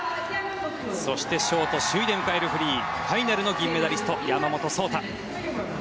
そして、ショート首位で迎えるフリーファイナルの銀メダリスト山本草太。